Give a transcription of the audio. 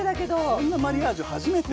こんなマリアージュ初めて。